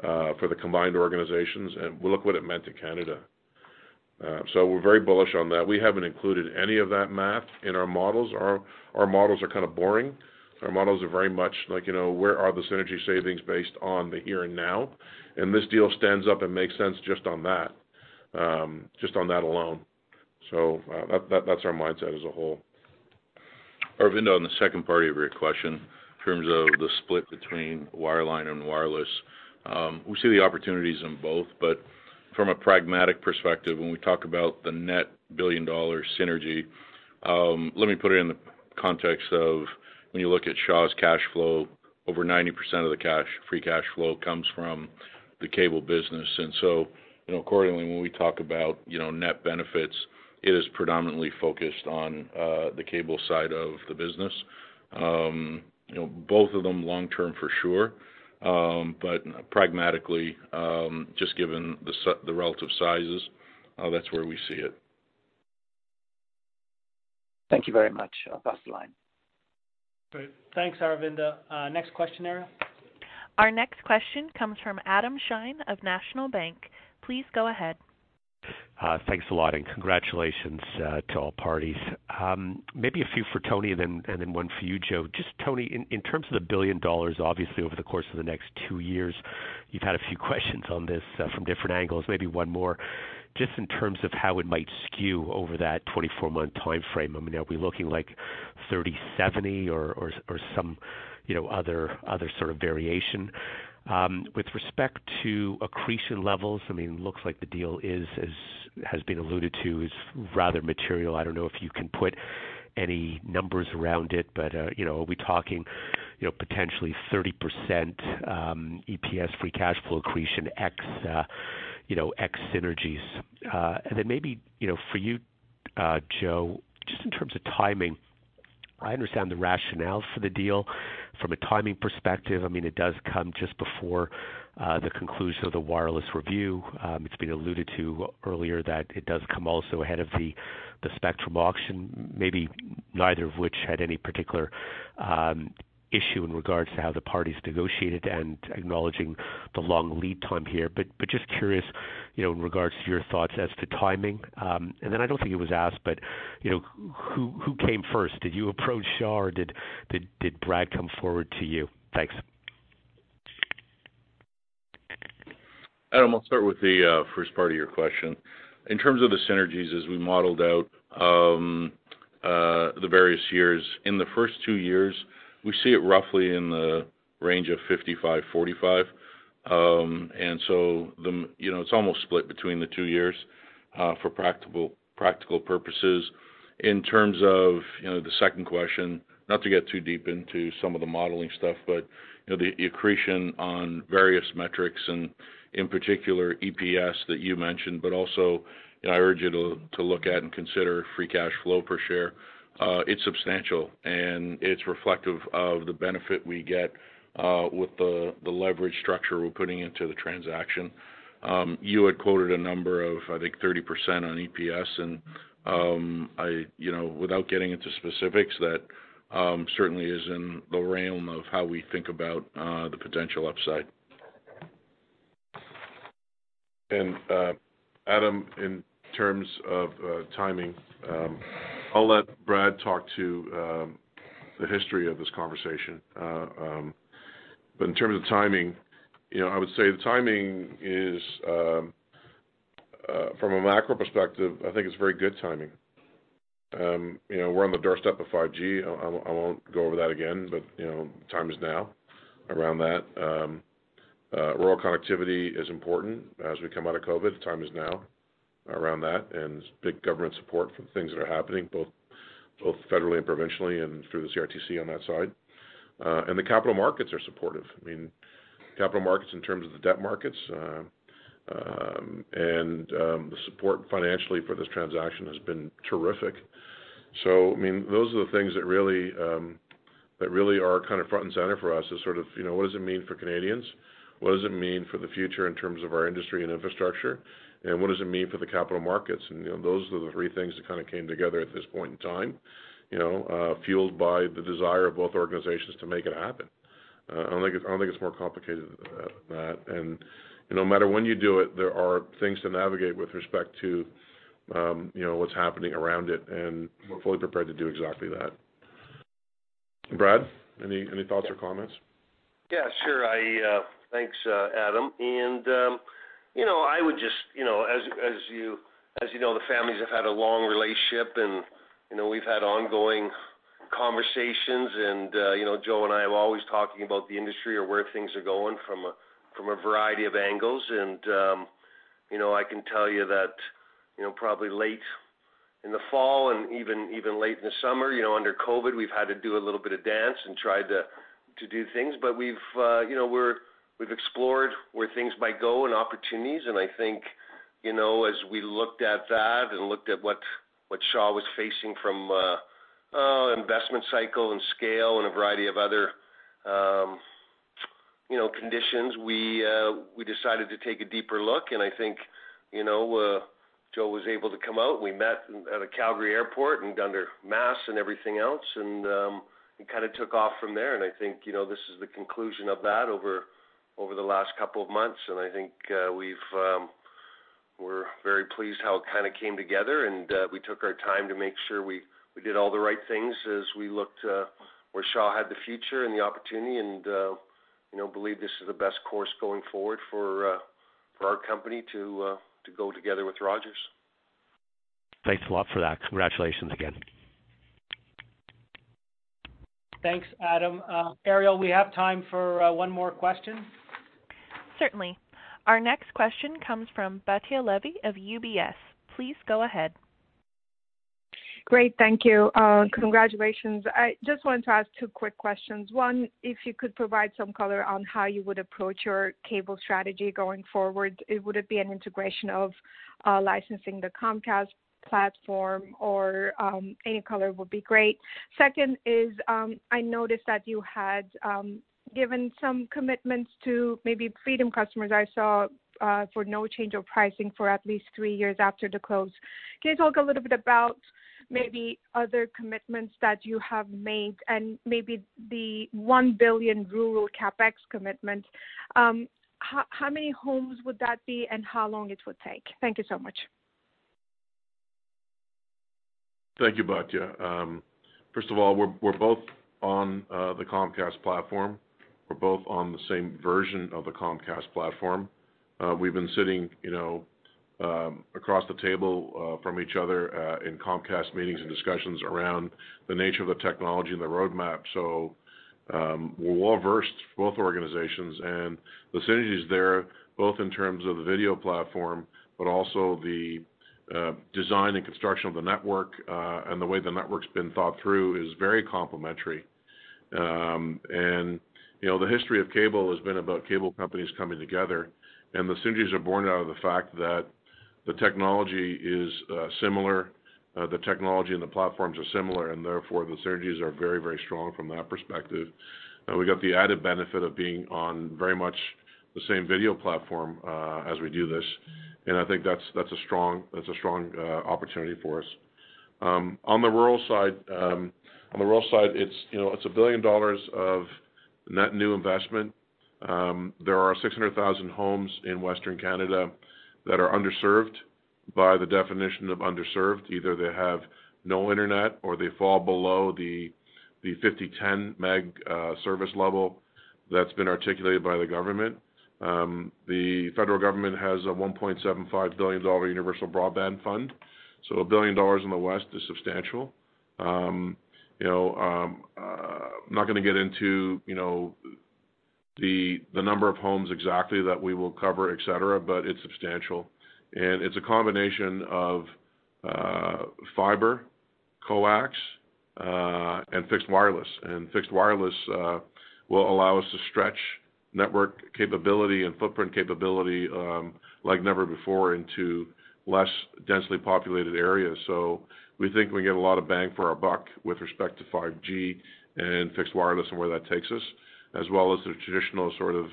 for the combined organizations," and we'll look at what it meant to Canada. So we're very bullish on that. We haven't included any of that math in our models. Our models are kind of boring. Our models are very much like, "Where are the synergy savings based on the here and now?" and this deal stands up and makes sense just on that, just on that alone. So that's our mindset as a whole. Aravinda, on the second part of your question in terms of the split between wireline and wireless, we see the opportunities in both. But from a pragmatic perspective, when we talk about the net billion-dollar synergy, let me put it in the context of when you look at Shaw's cash flow, over 90% of the free cash flow comes from the cable business. And so accordingly, when we talk about net benefits, it is predominantly focused on the cable side of the business. Both of them long-term for sure, but pragmatically, just given the relative sizes, that's where we see it. Thank you very much. I'll pass the line. Great. Thanks, Aravinda. Next question, Ariel. Our next question comes from Adam Shine of National Bank. Please go ahead. Thanks a lot, and congratulations to all parties. Maybe a few for Tony and then one for you, Joe. Just Tony, in terms of the 1 billion dollars, obviously, over the course of the next two years, you've had a few questions on this from different angles. Maybe one more, just in terms of how it might skew over that 24-month time frame. I mean, are we looking like 30/70 or some other sort of variation? With respect to accretion levels, I mean, it looks like the deal has been alluded to is rather material. I don't know if you can put any numbers around it, but are we talking potentially 30% EPS, free cash flow accretion, ex-synergies? And then maybe for you, Joe, just in terms of timing, I understand the rationale for the deal from a timing perspective. I mean, it does come just before the conclusion of the wireless review. It's been alluded to earlier that it does come also ahead of the spectrum auction, maybe neither of which had any particular issue in regards to how the parties negotiated and acknowledging the long lead time here. But just curious in regards to your thoughts as to timing. And then I don't think it was asked, but who came first? Did you approach Shaw, or did Brad come forward to you? Thanks. Adam, I'll start with the first part of your question. In terms of the synergies, as we modeled out the various years, in the first two years, we see it roughly in the range of 55/45, and so it's almost split between the two years for practical purposes. In terms of the second question, not to get too deep into some of the modeling stuff, but the accretion on various metrics and in particular EPS that you mentioned, but also I urge you to look at and consider free cash flow per share. It's substantial, and it's reflective of the benefit we get with the leverage structure we're putting into the transaction. You had quoted a number of, I think, 30% on EPS, and without getting into specifics, that certainly is in the realm of how we think about the potential upside. And Adam, in terms of timing, I'll let Brad talk to the history of this conversation. But in terms of timing, I would say the timing is, from a macro perspective, I think it's very good timing. We're on the doorstep of 5G. I won't go over that again, but time is now around that. Rural connectivity is important as we come out of COVID. Time is now around that. And it's big government support for the things that are happening, both federally and provincially and through the CRTC on that side. And the capital markets are supportive. I mean, capital markets in terms of the debt markets and the support financially for this transaction has been terrific. So I mean, those are the things that really are kind of front and center for us is sort of what does it mean for Canadians? What does it mean for the future in terms of our industry and infrastructure? And what does it mean for the capital markets? And those are the three things that kind of came together at this point in time, fueled by the desire of both organizations to make it happen. I don't think it's more complicated than that. And no matter when you do it, there are things to navigate with respect to what's happening around it. And we're fully prepared to do exactly that. And Brad, any thoughts or comments? Yeah, sure. Thanks, Adam. And I would just, as you know, the families have had a long relationship, and we've had ongoing conversations. And Joe and I are always talking about the industry or where things are going from a variety of angles. And I can tell you that probably late in the fall and even late in the summer under COVID, we've had to do a little bit of dance and try to do things. But we've explored where things might go and opportunities. And I think as we looked at that and looked at what Shaw was facing from investment cycle and scale and a variety of other conditions, we decided to take a deeper look. And I think Joe was able to come out. We met at Calgary Airport and under masks and everything else, and it kind of took off from there. I think this is the conclusion of that over the last couple of months. I think we're very pleased how it kind of came together. We took our time to make sure we did all the right things as we looked where Shaw had the future and the opportunity and believe this is the best course going forward for our company to go together with Rogers. Thanks a lot for that. Congratulations again. Thanks, Adam. Ariel, we have time for one more question. Certainly. Our next question comes from Batya Levi of UBS. Please go ahead. Great. Thank you. Congratulations. I just wanted to ask two quick questions. One, if you could provide some color on how you would approach your cable strategy going forward, would it be an integration of licensing the Comcast platform or any color would be great? Second, I noticed that you had given some commitments to maybe Freedom customers I saw for no change of pricing for at least three years after the close. Can you talk a little bit about maybe other commitments that you have made and maybe the 1 billion rural CapEx commitment? How many homes would that be and how long it would take? Thank you so much. Thank you, Batya. First of all, we're both on the Comcast platform. We're both on the same version of the Comcast platform. We've been sitting across the table from each other in Comcast meetings and discussions around the nature of the technology and the roadmap. So we're well-versed, both organizations. The synergies there, both in terms of the video platform, but also the design and construction of the network and the way the network's been thought through is very complementary. The history of cable has been about cable companies coming together. The synergies are born out of the fact that the technology is similar. The technology and the platforms are similar. Therefore, the synergies are very, very strong from that perspective. We got the added benefit of being on very much the same video platform as we do this. I think that's a strong opportunity for us. On the rural side, on the rural side, it's 1 billion dollars of net new investment. There are 600,000 homes in Western Canada that are underserved by the definition of underserved. Either they have no internet or they fall below the 50/10 meg service level that's been articulated by the government. The federal government has a 1.75 billion dollar Universal Broadband Fund. So 1 billion dollars in the West is substantial. I'm not going to get into the number of homes exactly that we will cover, etc., but it's substantial. It's a combination of fibre, coax and fixed wireless. Fixed wireless will allow us to stretch network capability and footprint capability like never before into less densely populated areas. We think we get a lot of bang for our buck with respect to 5G and fixed wireless and where that takes us, as well as the traditional sort of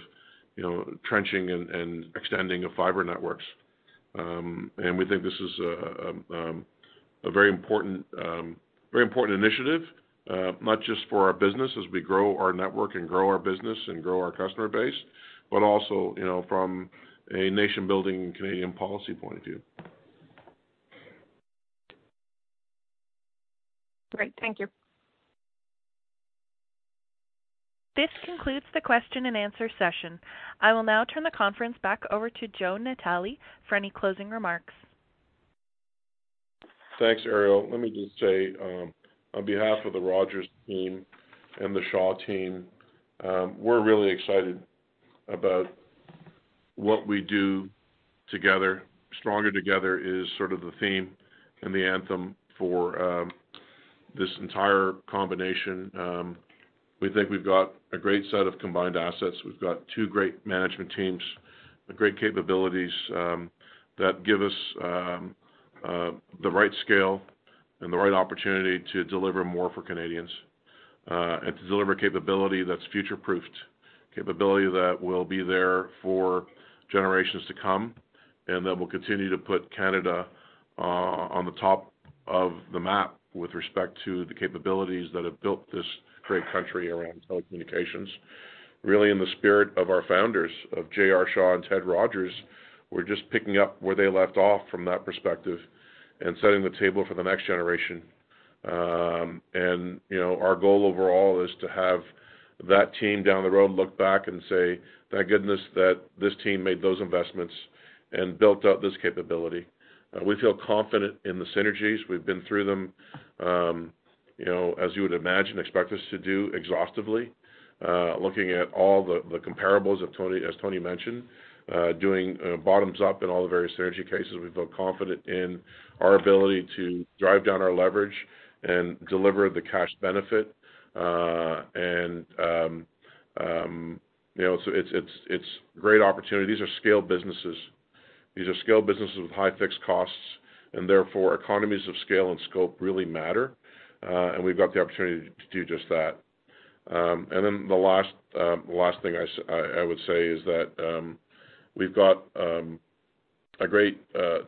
trenching and extending of fibre networks. We think this is a very important initiative, not just for our business as we grow our network and grow our business and grow our customer base, but also from a nation-building and Canadian policy point of view. Great. Thank you. This concludes the question and answer session. I will now turn the conference back over to Joe Natale for any closing remarks. Thanks, Ariel. Let me just say, on behalf of the Rogers team and the Shaw team, we're really excited about what we do together. Stronger Together is sort of the theme and the anthem for this entire combination. We think we've got a great set of combined assets. We've got two great management teams, great capabilities that give us the right scale and the right opportunity to deliver more for Canadians and to deliver capability that's future-proofed, capability that will be there for generations to come and that will continue to put Canada on the top of the map with respect to the capabilities that have built this great country around telecommunications. Really, in the spirit of our founders, of J.R. Shaw and Ted Rogers, we're just picking up where they left off from that perspective and setting the table for the next generation. Our goal overall is to have that team down the road look back and say, "Thank goodness that this team made those investments and built out this capability." We feel confident in the synergies. We've been through them, as you would imagine, expect us to do exhaustively. Looking at all the comparables, as Tony mentioned, doing bottoms up in all the various synergy cases, we feel confident in our ability to drive down our leverage and deliver the cash benefit. So it's a great opportunity. These are scale businesses. These are scale businesses with high fixed costs. Therefore, economies of scale and scope really matter. We've got the opportunity to do just that. Then the last thing I would say is that we've got a great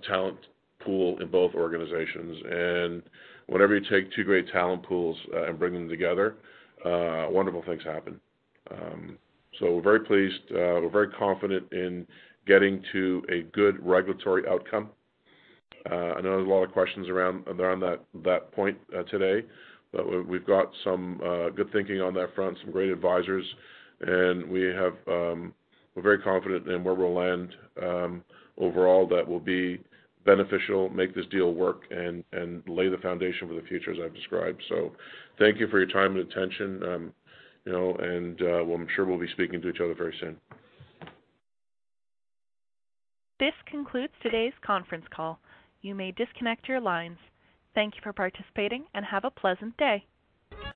talent pool in both organizations. Whenever you take two great talent pools and bring them together, wonderful things happen. We're very pleased. We're very confident in getting to a good regulatory outcome. I know there's a lot of questions around that point today, but we've got some good thinking on that front, some great advisors. We're very confident in where we'll land overall that will be beneficial, make this deal work, and lay the foundation for the future, as I've described. Thank you for your time and attention. I'm sure we'll be speaking to each other very soon. This concludes today's conference call. You may disconnect your lines. Thank you for participating and have a pleasant day.